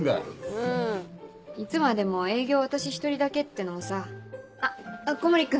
うんいつまでも営業私一人だけってのはさ。あっ小森君。